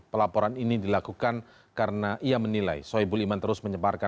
pelaporan ini dilakukan karena ia menilai soebul iman terus menyebarkan